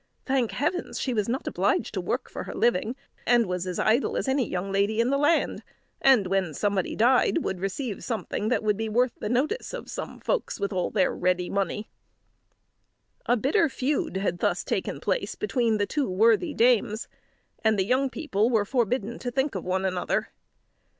"Thank heavens, she was not obliged to work for her living, and was as idle as any young lady in the land; and when somebody died, would receive something that would be worth the notice of some folks with all their ready money." A bitter feud had thus taken place between the two worthy dames, and the young people were forbidden to think of one another.